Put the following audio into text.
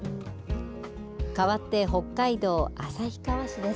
かわって北海道旭川市です。